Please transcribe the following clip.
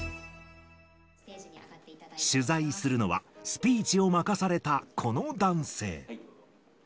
取材するのは、スピーチを任されたこの男性。